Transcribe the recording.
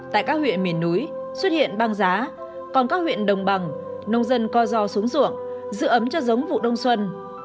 tại các huyện miền núi xuất hiện băng giá còn các huyện đồng bằng nông dân co do xuống ruộng giữ ấm cho giống vụ đông xuân